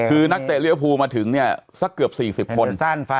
คือนักเตะเรียวภูมาถึงเนี่ยสักเกือบ๔๐คน